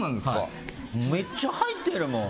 めっちゃ入ってるもん。